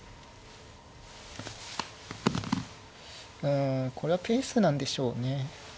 うんこれはペースなんでしょうね。